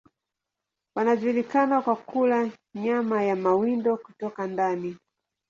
Wanajulikana kwa kula nyama ya mawindo kutoka ndani.